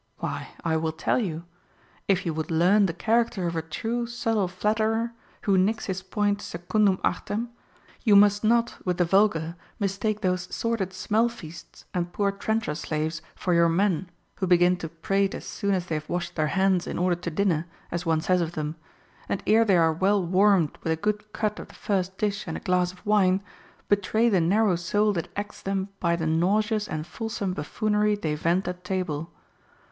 Why, I will tell you; if you would learn the character of a true subtle flatterer, who nicks his point secundum artem, you must not, with the vulgar, mistake those sordid smell feasts and poor trencher slaves for your men, who begin to prate as soon as they have washed their hands in order to dinner, as one says of them, and ere they are well warmed with a good cut of the first dish and a glass of wine, betray the narrow soul that acts them by the nauseous and fulsome buffoon ery they vent at table.